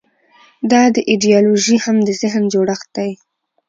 دا ایدیالوژي هم د ذهن جوړښت دی.